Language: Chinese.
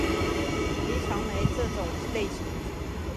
的常为这种类型。